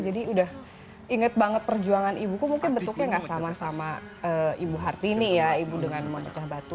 jadi udah inget banget perjuangan ibuku mungkin bentuknya nggak sama sama ibu hartini ya ibu dengan pemecah batu